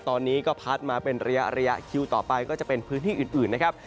ตอนนี้ก็พัดมาเป็นระยะคิวต่อไปก็จะเป็นพื้นที่อื่นนะครับ